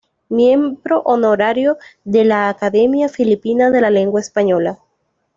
Miembro honorario de la Academia Filipina de la Lengua Española.